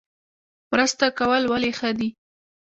مرسته کول ولې ښه دي؟